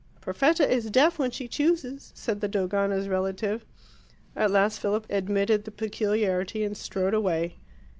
"Perfetta is deaf when she chooses," said the Dogana's relative. At last Philip admitted the peculiarity and strode away.